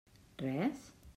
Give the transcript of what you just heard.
Res?